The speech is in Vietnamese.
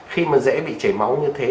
khi mà dễ bị chảy máu như thế